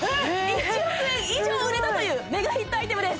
１億円以上売れたというメガヒットアイテムです